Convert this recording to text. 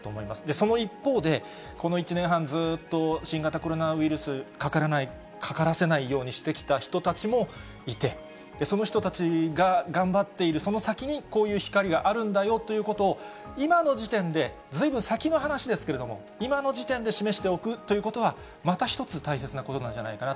その一方で、この１年半、ずっと新型コロナウイルスかからない、かからせないようにしてきた人たちもいて、その人たちが頑張っている、その先にこういう光があるんだよということを、今の時点で、ずいぶん先の話ですけれども、今の時点で示しておくということは、また一つ、大切なことなんじ